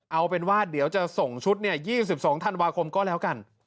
เอาเป็นว่าเดี๋ยวจะส่งชุด๒๒ธันวาคมก็แล้วกัน